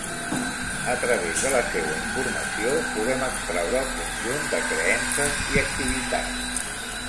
A través de la seua informació podem extraure el conjunt de creences i activitats.